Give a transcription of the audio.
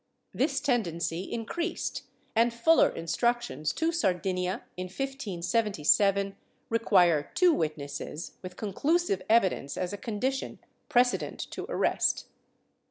This tendency increased, and fuller instructions to Sardinia, in 1577, require two witnesses with conclusive evidence as a condition precedent to arrest."